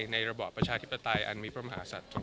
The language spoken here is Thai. ระบอบประชาธิปไตยอันมีพระมหาศัตริย์